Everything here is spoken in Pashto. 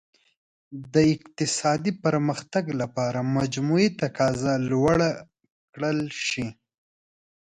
د اقتصادي پرمختګ لپاره مجموعي تقاضا لوړه کړل شي.